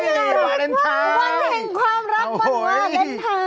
วันเห็นความรักงวดนทัย